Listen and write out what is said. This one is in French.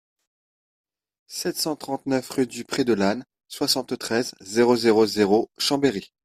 sept cent trente-neuf rue du Pré de l'Âne, soixante-treize, zéro zéro zéro, Chambéry